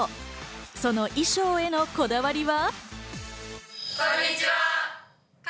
その衣装へのこだわりは。